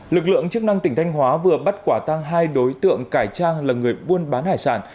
lực lượng chức năng tỉnh thanh hóa vừa bắt quả tăng hai đối tượng cải trang là người buôn bán hải sản